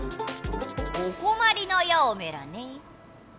おこまりのようメラね？